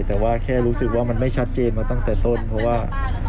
แต่ว่าแค่รู้สึกว่ามันไม่ชัดเจนมาตั้งแต่ต้นเพราะว่า